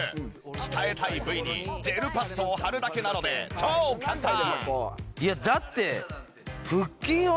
鍛えたい部位にジェルパッドを貼るだけなので超簡単！